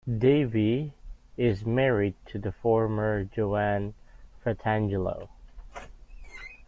Davie is married to the former Joanne Fratangelo.